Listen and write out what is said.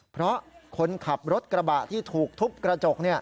เพราะคนขับรถกระบะที่ถูกทุบกระจก